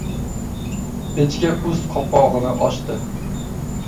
Pechka ust qopqog‘ini ochdi.